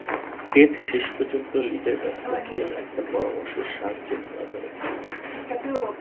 Ted শেষ পর্যন্ত লিজের কাছ থেকে একটা পরামর্শের সাহায্যে ধরা পড়ে।